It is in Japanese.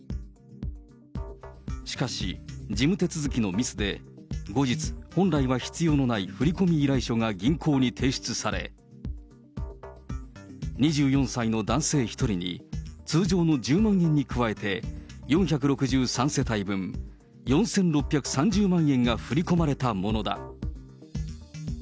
しかし、事務手続きのミスで、後日、本来は必要のない振り込み依頼書が銀行に提出され、２４歳の男性１人に通常の１０万円に加えて、４６３世帯分、４６３０万円が振り込まれたものだ。